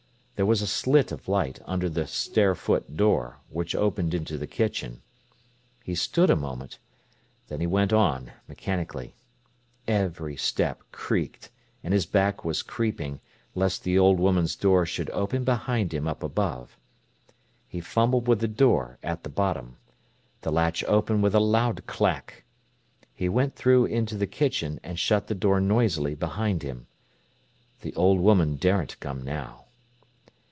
There was a slit of light under the stair foot door, which opened into the kitchen. He stood a moment. Then he went on, mechanically. Every step creaked, and his back was creeping, lest the old woman's door should open behind him up above. He fumbled with the door at the bottom. The latch opened with a loud clack. He went through into the kitchen, and shut the door noisily behind him. The old woman daren't come now.